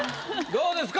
どうですか？